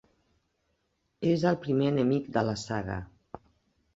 És el primer enemic de la saga.